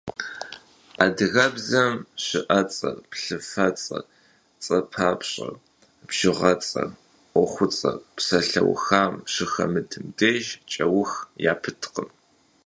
Адыгэбзэм щыӏэцӏэр, плъыфэцӏэр, цӏэпапщӏэр, бжыгъэцӏэр, ӏуэхуцӏэр псалъэухам щыхэмытым деж кӏэух япыткъым.